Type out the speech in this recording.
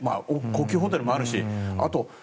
高級ホテルもあるし。